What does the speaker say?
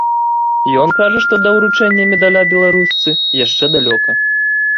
Ён кажа, што да уручэння медаля беларусцы яшчэ далёка.